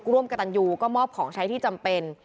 ร่วมกับตันยูก็มอบของใช้ที่จำเป็น